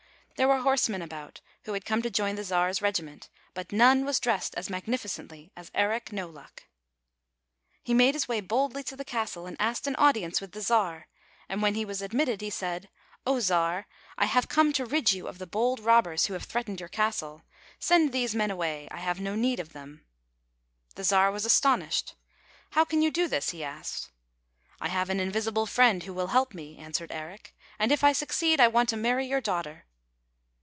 There were horsemen about who had come to join the Czar's regiment, but none was dressed as magnificently as Eric No Luck. He made his way boldly to the castle and asked an audience with the Czar, and when he was admitted, he said, " Oh, Czar, I have [ 161 ] FAVORITE FAIRY TALES RETOLD come to rid you of the bold robbers who have threatened your castle. Send these men away. I have no need of them." The Czar was astonished. " How can you do this ?" he asked. " I have an invisible friend who will help me," answered Eric, " and if I succeed, I want to marry your daughter."